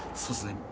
そうっすね。